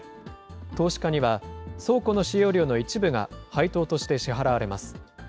投資家には倉庫の使用料の一部が配当として支払われます。